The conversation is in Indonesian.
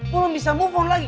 belum bisa move on lagi